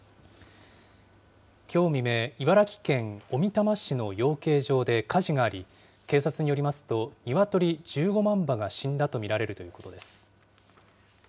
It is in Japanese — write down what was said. きょう未明、茨城県小美玉市の養鶏場で火事があり、警察によりますと、ニワトリ１５万羽が死んだと見られるということです。